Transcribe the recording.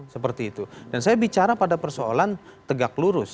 seperti itu dan saya bicara pada persoalan tegak lurus